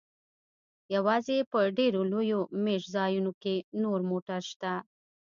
یوازې په ډیرو لویو میشت ځایونو کې نور موټر شته